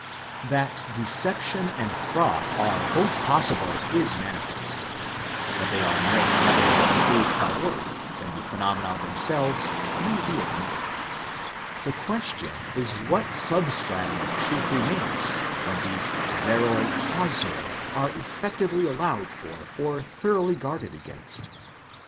That deception and fraud are both possible is manifest; that they are more probable a priori than the phenom ena themselves may be admitted ; the question is what substratum of truth remains when these v ercc causce are effectively allowed for or thoroughly guarded against.